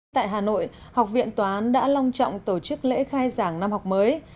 tại hà nội học viện tòa án đã long trọng tổ chức lễ khai giảng năm học mới